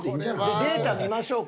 データ見ましょうか。